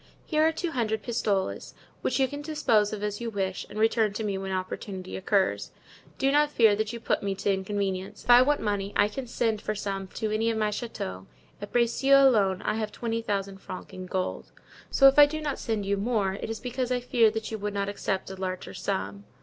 Here are two hundred pistoles, which you can dispose of as you wish and return to me when opportunity occurs. Do not fear that you put me to inconvenience; if I want money I can send for some to any of my chateaux; at Bracieux alone, I have twenty thousand francs in gold. So, if I do not send you more it is because I fear you would not accept a larger sum.